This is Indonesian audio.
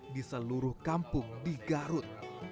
di seluruh kampung di garut